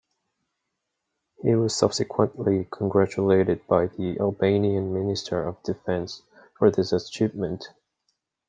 He was subsequently congratulated by the Albanian Minister of Defence for this achievement.